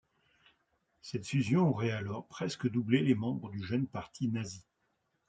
Cette fusion aurait alors presque doublé les membres du jeune parti nazi.